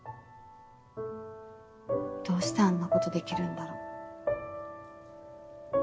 どうしてあんなことできるんだろ。